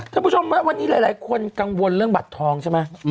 คุณผู้ชมวันนี้หลายคนกังวลเรื่องบัตรทองใช่ไหม